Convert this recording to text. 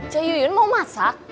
ce yuyun mau masak